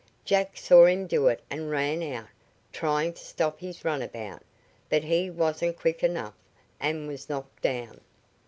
"Jack saw him do it and ran out, trying to stop his runabout, but he wasn't quick enough, and was knocked down.